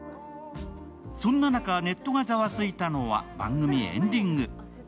そんな中、ネットがざわついたのは番組エンディング。